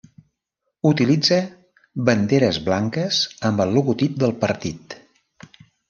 Utilitza banderes blanques amb el logotip del partit.